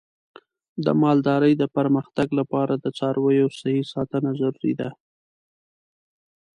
د مالدارۍ د پرمختګ لپاره د څارویو صحي ساتنه ضروري ده.